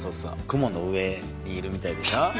雲の上にいるみたいでしょ。